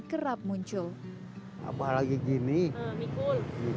kerap muncul apalagi gini mikul mikul jadi mau